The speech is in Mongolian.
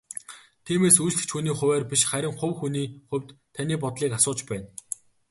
Тиймээс үйлчлэгч хүний хувиар биш харин хувь хүний хувьд таны бодлыг асууж байна.